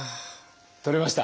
取れました？